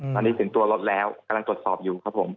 ตอนนี้ถึงตัวรถแล้วกำลังตรวจสอบอยู่ครับผม